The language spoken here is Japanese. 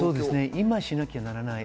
今しなきゃならない。